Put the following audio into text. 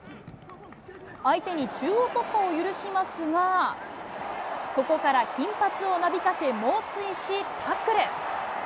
相手に中央突破を許しますが、ここから金髪をなびかせ猛追し、タックル。